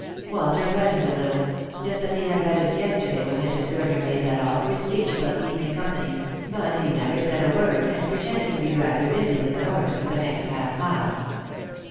Walter reddened a little — just as he had reddened yesterday when Mrs. Gurner made that awkward speech about keeping company ; but he said never a word, and pretended to be rather busy with the horse for the next half mile.